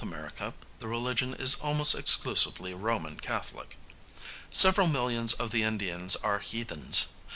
America the religion is almost exclusively Roman Catholic. Several millions of the Indians are heathens.